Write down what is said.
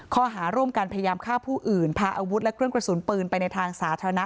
ข้อหาร่วมกันพยายามฆ่าผู้อื่นพาอาวุธและเครื่องกระสุนปืนไปในทางสาธารณะ